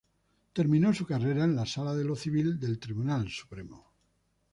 Terminó su carrera en la Sala de lo Civil del Tribunal Supremo.